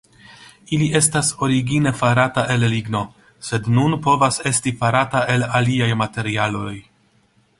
Ili estas origine farata el ligno, sed nun povas esti farata el aliaj materialoj.